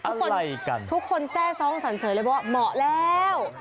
อะไรกันทุกคนแทร่ซองสันเสริญเลยว่าเหมาะแล้ว